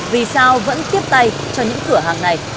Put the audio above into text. vì sao vẫn tiếp tay cho những cửa hàng này